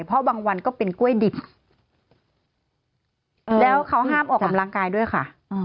เพราะบางวันก็เป็นกล้วยดิบแล้วเขาห้ามออกกำลังกายด้วยค่ะ